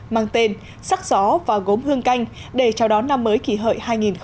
mang tên sắc gió và gốm hương canh để chào đón năm mới kỷ hợi hai nghìn một mươi chín